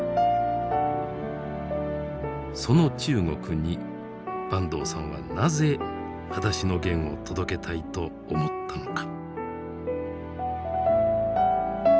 その中国に坂東さんはなぜ「はだしのゲン」を届けたいと思ったのか。